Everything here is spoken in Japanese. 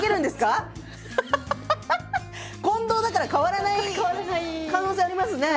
近藤だから変わらない可能性ありますね。